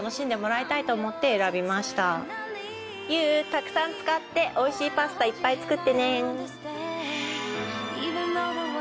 たくさん使っておいしいパスタいっぱい作ってね！